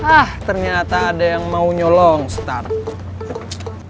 ah ternyata ada yang mau nyolong start